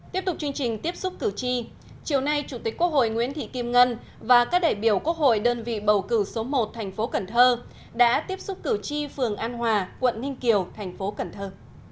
tiếp tục chương trình tiếp xúc cử tri chiều nay chủ tịch quốc hội nguyễn thị kim ngân và các đại biểu quốc hội đơn vị bầu cử số một thành phố cần thơ đã tiếp xúc cử tri phường an hòa quận ninh kiều thành phố cần thơ